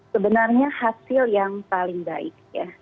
sebenarnya hasil yang paling baik ya